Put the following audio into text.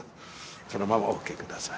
そのままお受け下さい。